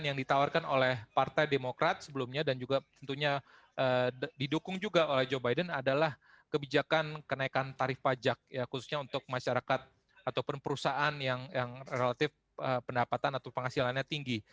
yang ditawarkan oleh partai demokrat sebelumnya dan juga tentunya didukung juga oleh joe biden adalah kebijakan kenaikan tarif pajak khususnya untuk masyarakat ataupun perusahaan yang relatif pendapatan atau penghasilannya tinggi